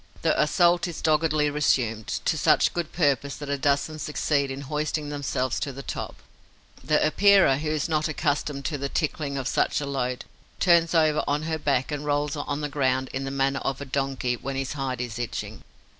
The assault is doggedly resumed, to such good purpose that a dozen succeed in hoisting themselves to the top. The Epeira, who is not accustomed to the tickling of such a load, turns over on her back and rolls on the ground in the manner of a donkey when his hide is itching.